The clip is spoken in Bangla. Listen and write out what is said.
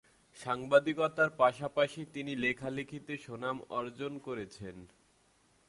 সাংবাদিকতার পাশাপাশি তিনি লেখালেখিতে সুনাম অর্জন করেছেন।